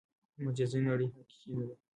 مجازي نړۍ حقیقي نه ده.